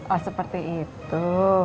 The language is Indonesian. oh seperti itu